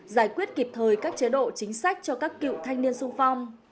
giải quyết kịp thời các chế độ chính sách cho các cựu thanh niên sung phong